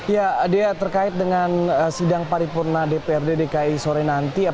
ya dea terkait dengan sidang paripurna dprd dki sore nanti